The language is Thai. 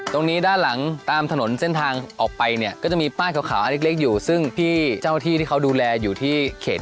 ตรงนี้ด้านหลังตามถนนเส้นทางออกไปเนี๊ยจะมีบ้านเขาเขาอัลฟิร์ตเล็กอยู่ซึ่งพี่เจ้าที่ที่เขาดูแร่อยู่ที่เขต